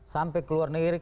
sampai ke luar negeri